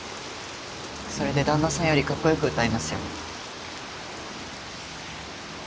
それで旦那さんよりかっこよく歌いますよ。